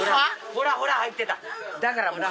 ほらほら入ってた。